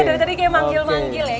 dari tadi kayak manggil manggil ya